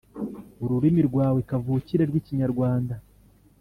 ururimi rwawe kavukire rw’Ikinyarwanda,